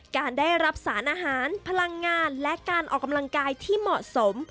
การได้รับสารอาหารพลังงานและการออกกำลังกายที่เหมาะสม